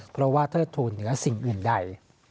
เพราะว่าเทิดทูลเหนือสิ่งอื่นใด